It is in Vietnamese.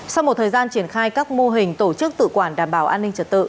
sau một thời gian triển khai các mô hình tổ chức tự quản đảm bảo an ninh trật tự